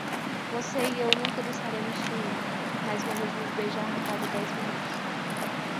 Você e eu nunca dançaremos swing, mas vamos nos beijar a cada dez minutos.